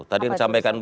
tadi yang disampaikan